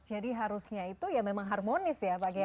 jadi harusnya itu ya memang harmonis ya